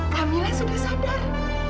kamila sudah sadar